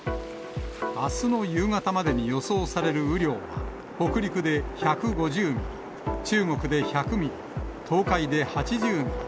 あすの夕方までに予想される雨量は、北陸で１５０ミリ、中国で１００ミリ、東海で８０ミリ。